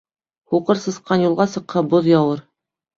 Һуҡыр сысҡан юлға сыҡһа, боҙ яуыр.